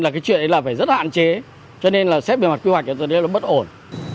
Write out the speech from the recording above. là cái chuyện này là phải rất hạn chế cho nên là xét về mặt quy hoạch là rất là bất ổn